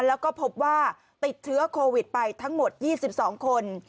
แล้วก็พบว่าติดเชื้อโควิดไปทั้งหมด๒๒คน